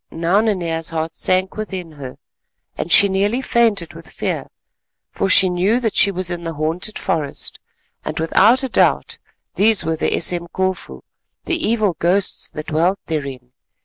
Now Nanea's heart shrank within her, and she nearly fainted with fear, for she knew that she was in the haunted forest, and without a doubt these were the Esemkofu, the evil ghosts that dwelt therein.